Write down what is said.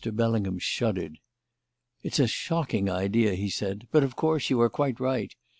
Bellingham shuddered. "It's a shocking idea," he said; "but, of course, you are quite right.